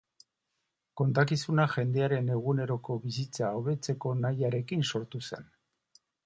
Kontakizuna jendearen eguneroko bizitza hobetzeko nahiarekin sortu zen.